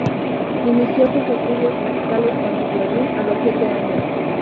Inició sus estudios musicales con el violín a los siete años.